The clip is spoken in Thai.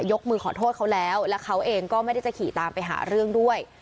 ยกมือขอโทษเขาแล้วแล้วเขาเองก็ไม่ได้จะขี่ตามไปหาเรื่องด้วย